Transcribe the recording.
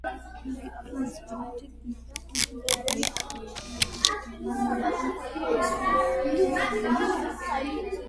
ფილიპემ ესპანეთის ტახტი დაიკავა, ფერდინანდმა კი საღვთო რომის იმპერიისა.